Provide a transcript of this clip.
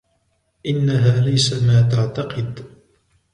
إنها ليس ما تعتقد.